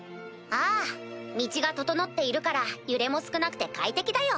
ああ道が整っているから揺れも少なくて快適だよ。